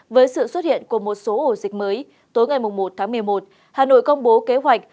với sự xuất hiện của một số ổ dịch mới tối ngày một tháng một mươi một hà nội công bố kế hoạch